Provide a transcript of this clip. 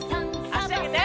あしあげて。